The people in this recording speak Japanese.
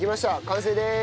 完成です！